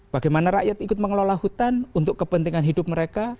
bagaimana rakyat ikut mengelola hutan untuk kepentingan hidup mereka